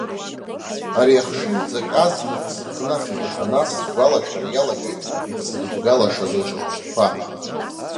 Ари ахшыҩҵак азнык сыхнахит, аха нас сгәалашәара иалагеит ихзырбгалашаз аҿырԥштәқәа.